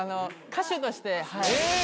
歌手として。